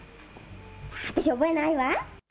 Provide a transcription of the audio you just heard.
私、覚えないわ。